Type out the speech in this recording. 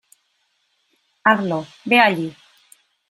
Hazlo, ve allí.